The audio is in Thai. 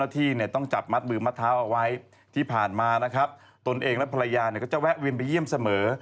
ตนเองและภรรยาจะแวะวินไปเยี่ยมเสมอ